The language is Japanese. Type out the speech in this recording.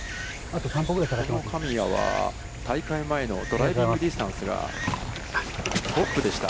神谷は大会前のドライビングディスタンスがトップでした。